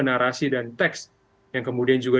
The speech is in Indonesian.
narasi dan teks yang kemudian juga